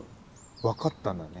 分かったんだね。